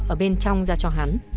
ở bên trong ra cho hắn